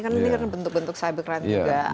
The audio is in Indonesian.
karena ini kan bentuk bentuk cybercrime juga